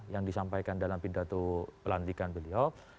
yang disampaikan dalam pidato pelantikan beliau